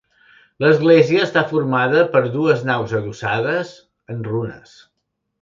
L'església està formada per dues naus adossades, en runes.